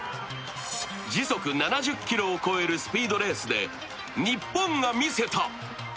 時速７０キロを超えるスピードレースで日本が見せた。